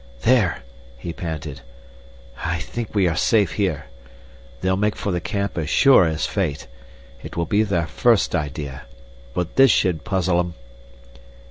"There!" he panted. "I think we are safe here. They'll make for the camp as sure as fate. It will be their first idea. But this should puzzle 'em."